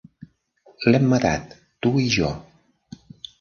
"L'hem matat: tu i jo".